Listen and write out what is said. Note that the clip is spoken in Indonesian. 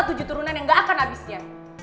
tujuh turunan yang gak akan habisnya